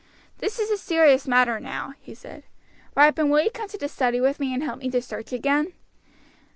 "This is a serious matter now," he said. "Ripon, will you come to the study with me and help me to search again.